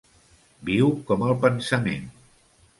Viu com el pensament.